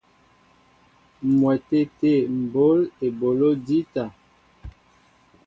M̀wɛtê tê m̀ bǒl eboló jíta.